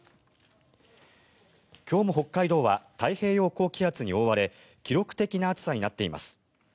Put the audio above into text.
今日も北海道は太平洋高気圧に覆われ記録的な暑さになっています。